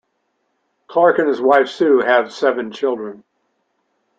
Clark and his wife, Sue, have seven children.